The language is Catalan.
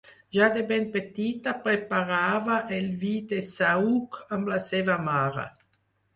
Ja de ben petita preparava el vi de saüc amb la seva mare.